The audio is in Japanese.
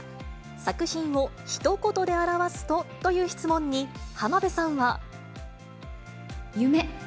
作品をひと言で表すとという質問に、浜辺さんは。